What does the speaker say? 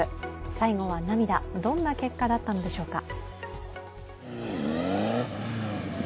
最後は涙、どんな結果だったのでしょうか。